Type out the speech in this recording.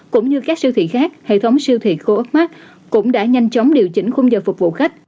cũng như các siêu thị khác hệ thống siêu thị co op mart cũng đã nhanh chóng điều chỉnh khung giờ phục vụ khách